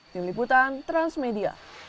tim liputan transmedia